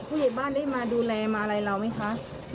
ผู้ใหญ่บ้านได้มาดูแลมาอะไรเราไหมคะ